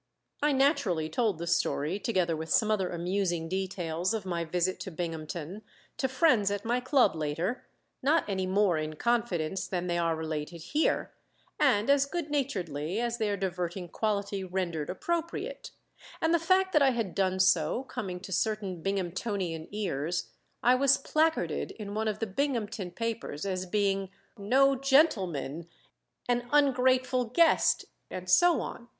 I naturally told the story, together with some other amusing details of my visit to Binghamton, to friends at my club later, not any more in confidence than they are related here, and as good naturedly as their diverting quality rendered appropriate; and the fact that I had done so coming to certain Binghamtonian ears, I was placarded in one of the Binghamton papers as being "no gentleman," "an ungrateful guest," and so on, _ad lib.